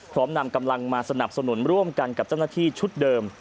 นำกำลังมาสนับสนุนร่วมกันกับเจ้าหน้าที่ชุดเดิม